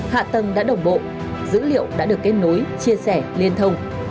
hạ tầng đã đồng bộ dữ liệu đã được kết nối chia sẻ liên thông